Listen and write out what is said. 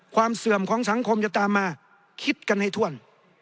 เสื่อมของสังคมจะตามมาคิดกันให้ถ้วน